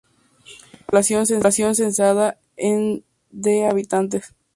Tiene una población censada en de habitantes.